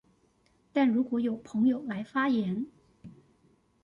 但如果有朋友來發言